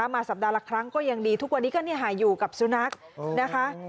มาสัปดาห์ละครั้งก็ยังดีทุกวันนี้ก็หายอยู่กับสุนัขนะคะ